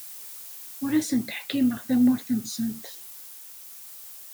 Ur asent-ḥkimeɣ tamurt-nsent.